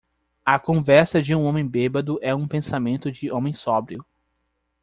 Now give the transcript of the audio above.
A conversa de um homem bêbado é um pensamento de homem sóbrio.